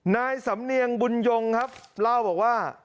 นายสำเนียงบุญยงครับเล่าบอกว่า